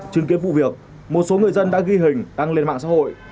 trưng kiếp vụ việc một số người dân đã ghi hình đăng lên mạng xã hội